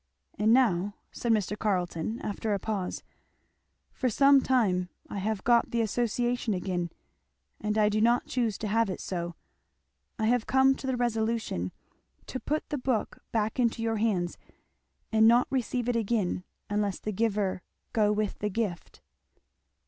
"And now," said Mr. Carleton after a pause, "for some time past, I have got the association again; and I do not choose to have it so. I have come to the resolution to put the book back into your hands and not receive it again, unless the giver go with the gift."